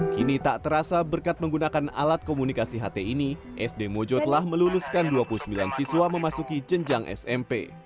kini tak terasa berkat menggunakan alat komunikasi ht ini sd mojo telah meluluskan dua puluh sembilan siswa memasuki jenjang smp